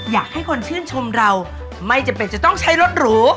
อยากให้คนชื่นชมเราไม่จำเป็นจะต้องใช้รถหรู